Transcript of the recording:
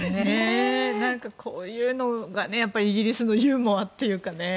こういうのがイギリスのユーモアというかね。